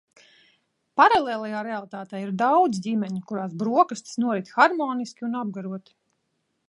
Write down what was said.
Paralēlajā realitātē ir daudz ģimeņu, kurās brokastis norit harmoniski un apgaroti!